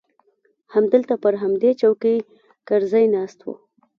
همدلته پر همدې چوکۍ کرزى ناست و.